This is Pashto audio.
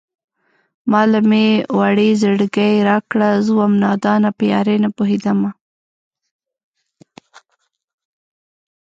ما له مې وړی زړگی راکړه زه وم نادانه په يارۍ نه پوهېدمه